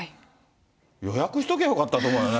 予約しときゃよかったと思うよね、